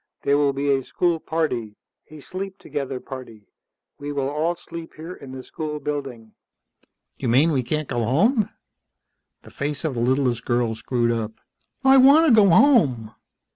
There will be a school party, a sleep together party. We will all sleep here in the school building." "You mean we can't go home?" The face of the littlest girl screwed up. "I want to go home."